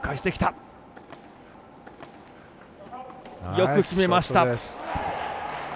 よく決めました。